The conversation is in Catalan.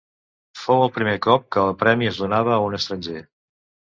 Fou el primer cop que el premi es donava a un estranger.